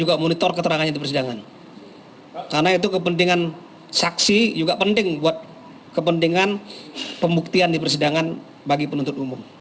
dan itu adalah hal yang kita harus lakukan